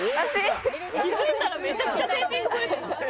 気づいたらめちゃくちゃテーピング増えてない？